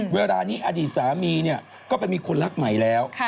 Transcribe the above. เวลานี้อดีตสามีก็ไปมีคนรักใหม่แล้ว